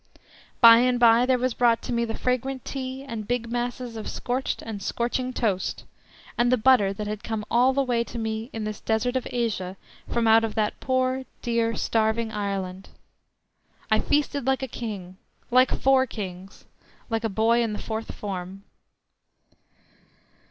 By and by there was brought to me the fragrant tea and big masses of scorched and scorching toast, and the butter that had come all the way to me in this Desert of Asia from out of that poor, dear, starving Ireland. I feasted like a king, like four kings, like a boy in the fourth form.